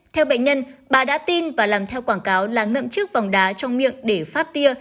theo bệnh nhân bà đã tin và làm theo quảng cáo là ngậm trước vòng đá trong miệng để phát tia